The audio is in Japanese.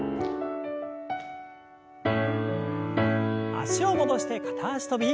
脚を戻して片脚跳び。